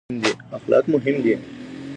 اخلاق مهم دي.